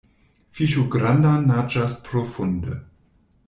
Fiŝo granda naĝas profunde.